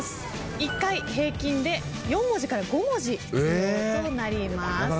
１回平均で４文字から５文字必要となります。